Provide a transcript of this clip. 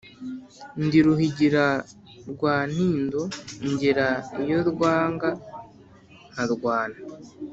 ndi Ruhigira rwa Ntindo ngera iyo rwaga nkarwana